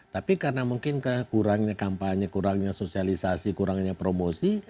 tapi karena mungkin kekurangnya kampanye kurangnya sosialisasi kurangnya promosi